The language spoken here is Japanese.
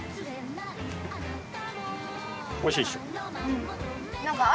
おいしいでしょ？